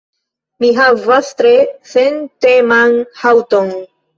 Mi havas tre senteman haŭton.